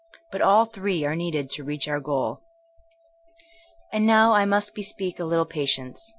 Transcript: But all three are needed to reach our goal. And now I must bespeak a little patience.